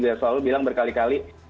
dia selalu bilang berkali kali